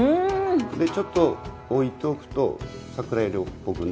ちょっと置いておくと桜色っぽくなるんですね。